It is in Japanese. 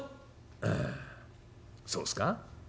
ああそうすか？